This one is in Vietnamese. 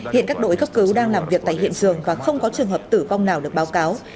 hiện các đội cấp cứu đang làm việc tại hiện trường và không có trường hợp tử vong nào được báo cáo